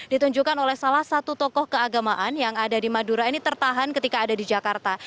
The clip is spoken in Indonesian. ditunjukkan oleh salah satu tokoh keagamaan yang ada di madura ini tertahan ketika ada di jakarta